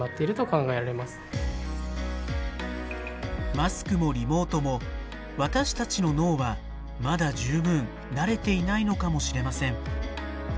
マスクもリモートも私たちの脳はまだ十分慣れていないのかもしれません。